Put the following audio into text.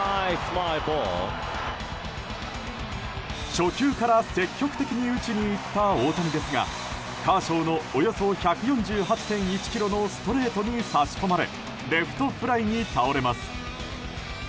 初球から積極的に打ちにいった大谷ですがカーショーのおよそ１４８．１キロのストレートに阻まれてレフトフライに倒れます。